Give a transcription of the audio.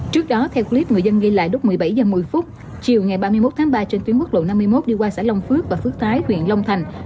trước đó theo clip người dân ghi lại lúc một mươi bảy h một mươi chiều ngày ba mươi một tháng ba trên tuyến quốc lộ năm mươi một đi qua xã long phước và phước thái huyện long thành